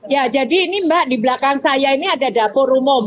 ya jadi ini mbak di belakang saya ini ada dapur umum